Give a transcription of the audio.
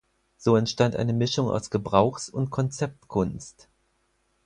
So entstand eine Mischung aus Gebrauchs- und Konzeptkunst.